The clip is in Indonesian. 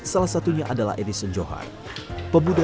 salah satu penelitian yang dibutuhkan di indonesia